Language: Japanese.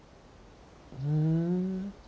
ふん。